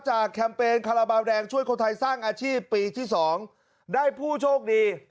แคมเปญคาราบาลแดงช่วยคนไทยสร้างอาชีพปีที่๒ได้ผู้โชคดี